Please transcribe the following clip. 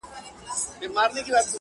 ځينې خلک د پېښې په اړه دعاوې کوي خاموش,